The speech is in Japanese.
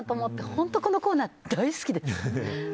本当、このコーナー大好きです。